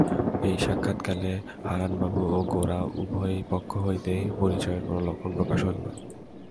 এই সাক্ষাৎকালে হারানবাবু ও গোরা উভয় পক্ষ হইতেই পরিচয়ের কোনো লক্ষণ প্রকাশ হইল না।